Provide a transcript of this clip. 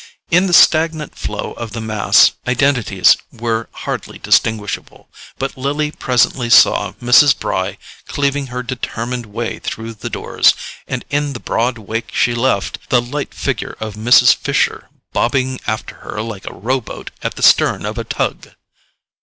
In the stagnant flow of the mass, identities were hardly distinguishable; but Lily presently saw Mrs. Bry cleaving her determined way through the doors, and, in the broad wake she left, the light figure of Mrs. Fisher bobbing after her like a row boat at the stern of a tug.